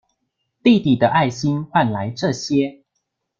弟弟的愛心換來這些